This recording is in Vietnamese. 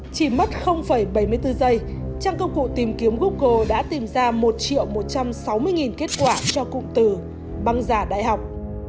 chỉ mất bảy mươi bốn giây trang công cụ tìm kiếm google đã tìm ra một một trăm sáu mươi kết quả cho cụm từ băng giả đại học